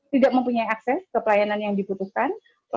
tidak mempunyai akses ke pelayanan yang diputuskan